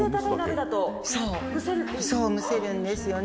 そう蒸せるんですよね。